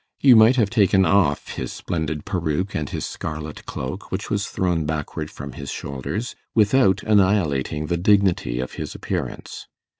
You might have taken off his splendid peruke, and his scarlet cloak, which was thrown backward from his shoulders, without annihilating the dignity of his appearance.